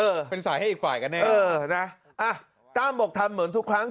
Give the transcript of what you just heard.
เป็นสายให้อีกฝ่ายกันแน่เออนะอ่ะตั้มบอกทำเหมือนทุกครั้ง